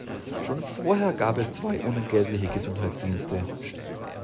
Schon vorher gab es zwei unentgeltliche Gesundheitsdienste.